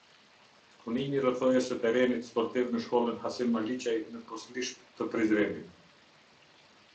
Punimi i rrethojës së terenit sportiv në shkollën Hasim Maliqaj në Poslisht të Prizrenit.